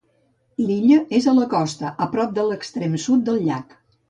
L'illa és a la costa, a prop de l'extrem sud del llac.